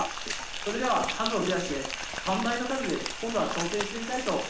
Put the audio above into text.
それでは数を増やして３倍の数で今度は挑戦してみたいと思います。